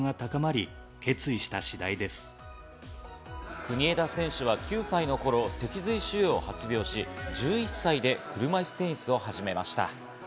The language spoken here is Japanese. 国枝選手は９歳の頃、脊髄腫瘍を発病し、１１歳で車いすテニスを始めました。